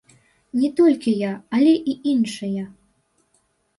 Не толькі я, але і іншыя.